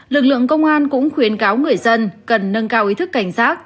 lực lượng công an cũng khuyến cáo người dân cần nâng cao ý thức cảnh giác